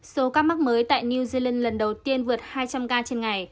số ca mắc mới tại new zealand lần đầu tiên vượt hai trăm linh ca trên ngày